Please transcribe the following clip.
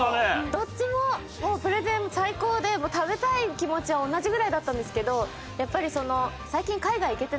どっちももうプレゼン最高で食べたい気持ちは同じぐらいだったんですけどやっぱりその。